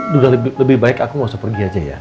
juga lebih baik aku gak usah pergi aja ya